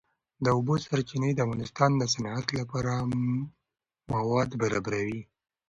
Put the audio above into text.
د اوبو سرچینې د افغانستان د صنعت لپاره مواد برابروي.